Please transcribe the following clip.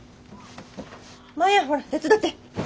マヤほら手伝って。